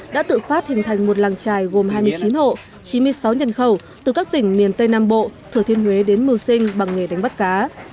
đã tự phát hình thành một làng trài gồm hai mươi chín hộ chín mươi sáu nhân khẩu từ các tỉnh miền tây nam bộ thừa thiên huế đến mưu sinh bằng nghề đánh bắt cá